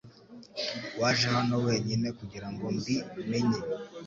Waje hano wenyine kugirango mbi menye